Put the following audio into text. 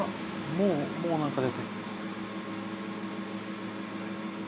もうもうなんか出てる。